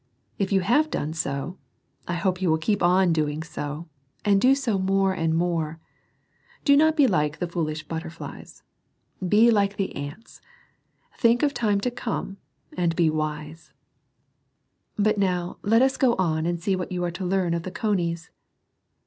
If you have done so, I hope you will keep on doing so, and do so more and more. Do not be like the foolish butterflies. Be like the ants. Think of time to come, and be wise. II. But let us now go on and see what you are to learn of the conies.